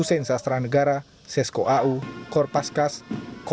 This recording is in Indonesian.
upacara diikuti para pejabat dan anggota dan perusahaan yang berpengalaman untuk melakukan upacara ini